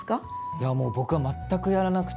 いやもう僕は全くやらなくて。